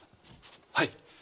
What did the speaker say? はい！